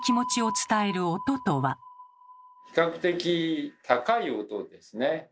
比較的「高い音」ですね。